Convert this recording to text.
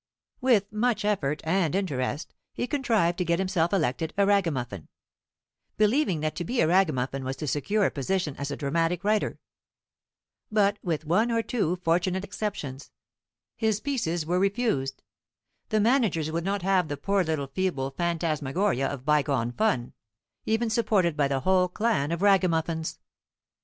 With much effort and interest he contrived to get himself elected a Ragamuffin; believing that to be a Ragmuffin was to secure a position as a dramatic writer. But with one or two fortunate exceptions, his pieces were refused. The managers would not have the poor little feeble phantasmagoria of bygone fun, even supported by the whole clan of Ragamuffins.